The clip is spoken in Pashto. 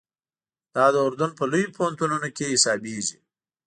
دا د اردن په لویو پوهنتونو کې حسابېږي.